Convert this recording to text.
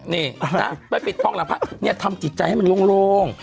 นี่นะไปปิดทองหลังพระเนี่ยทำจิตใจให้มันโล่ง